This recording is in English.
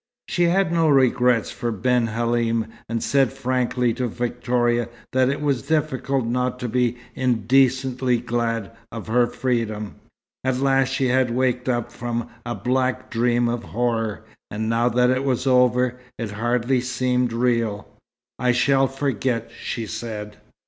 She had no regrets for Ben Halim, and said frankly to Victoria that it was difficult not to be indecently glad of her freedom. At last she had waked up from a black dream of horror, and now that it was over, it hardly seemed real. "I shall forget," she said.